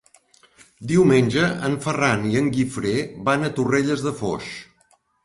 Diumenge en Ferran i en Guifré van a Torrelles de Foix.